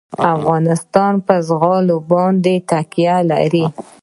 افغانستان په زغال باندې تکیه لري.